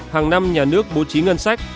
một hàng năm nhà nước bố trí ngân sách